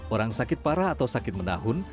orang sakit parah atau sakit menahun